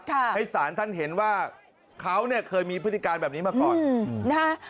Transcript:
ให้สารท่านเห็นว่าเขาเนี่ยเคยมีพฤติการแบบนี้มาก่อนอืมนะฮะ